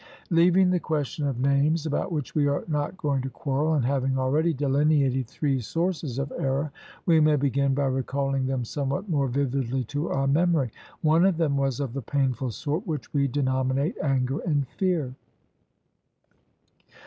Leaving the question of names, about which we are not going to quarrel, and having already delineated three sources of error, we may begin by recalling them somewhat more vividly to our memory: One of them was of the painful sort, which we denominate anger and fear.